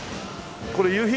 これ夕日？